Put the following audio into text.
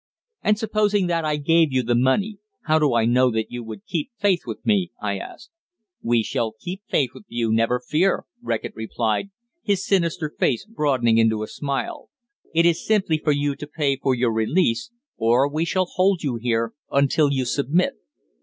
"And supposing that I gave you the money, how do I know that you would keep faith with me?" I asked. "We shall keep faith with you, never fear," Reckitt replied, his sinister face broadening into a smile. "It is simply for you to pay for your release; or we shall hold you here until you submit.